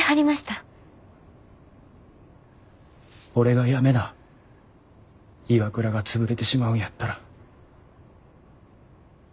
俺が辞めなＩＷＡＫＵＲＡが潰れてしまうんやったら。